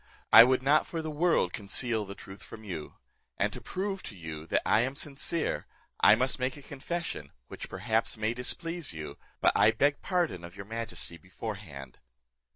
I would not for the world conceal the truth from you; and to prove to you that I am sincere, I must make a confession, which perhaps may displease you, but I beg pardon of your majesty beforehand."